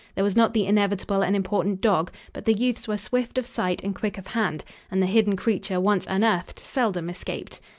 There was not the inevitable and important dog, but the youths were swift of sight and quick of hand, and the hidden creature, once unearthed, seldom escaped.